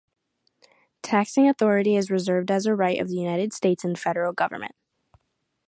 Taxing authority is reserved as a right of the states and federal government.